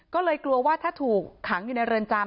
ก็เลยกลัวว่าถ้าถูกขังอยู่ในเรือนจำ